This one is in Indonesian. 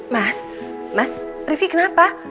mas rifqi kenapa